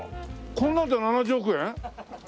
こんなんで７０億円！？